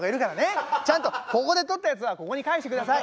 ちゃんとここで取ったやつはここに返してください。